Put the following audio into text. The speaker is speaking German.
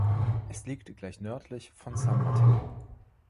Es liegt gleich nördlich von San Mateo.